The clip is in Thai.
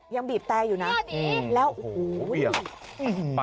ยังบีบแต่อยู่นะแล้วโอ้โฮแล้วโอ้โฮโอ้โฮ